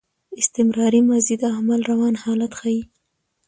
استمراري ماضي د عمل روان حالت ښيي.